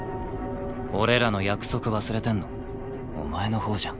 俺らの約束忘れてんのお前のほうじゃん。